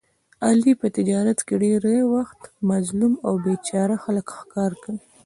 علي په تجارت کې ډېری وخت مظلوم او بې چاره خلک ښکار کوي.